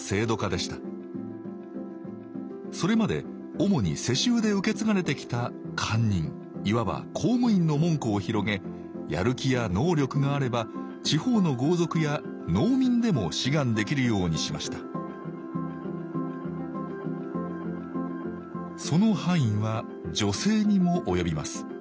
それまで主に世襲で受け継がれてきた官人いわば公務員の門戸を広げやる気や能力があれば地方の豪族や農民でも志願できるようにしましたその範囲は女性にも及びます。